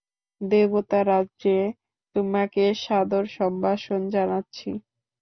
দেবতারাজ্যে তোমাকে সাদর সম্ভাষণ জানাচ্ছি।